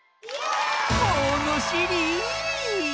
ものしり！